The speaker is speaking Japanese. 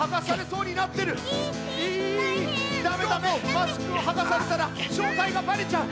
マスクをはがされたらしょうたいがバレちゃう。